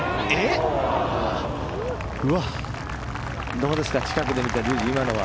どうですか、近くで見て竜二、今のは。